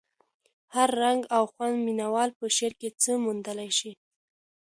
هر رنګ او خوند مینه وال په شعر کې څه موندلی شي.